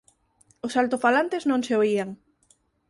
Os altofalantes non se oían.